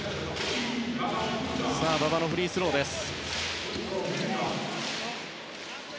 馬場のフリースローです。